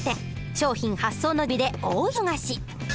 商品発送の準備で大忙し。